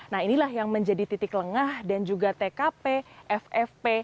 nah inilah yang menjadi titik lengah dan juga tkp ffp